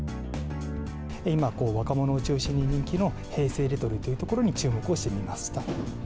今、若者を中心に人気の平成レトロというところに注目をしてみました。